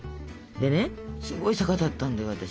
でねすごい坂だったんだよ私。